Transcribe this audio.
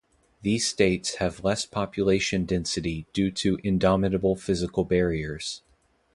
These states have less population density due to indomitable physical barriers.